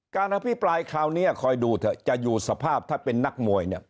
อภิปรายคราวนี้คอยดูเถอะจะอยู่สภาพถ้าเป็นนักมวยเนี่ย